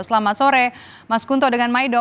selamat sore mas kunto dengan maido